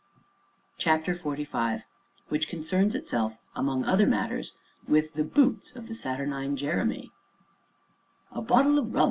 CHAPTER XLV WHICH CONCERNS ITSELF, AMONG OTHER MATTERS, WITH THE BOOTS OF THE SATURNINE JEREMY "A bottle o' rum!"